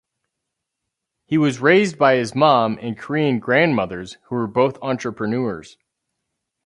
He was raised by his mom and Korean grandmother who were both entrepreneurs.